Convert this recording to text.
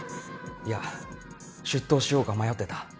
いや出頭しようか迷ってた。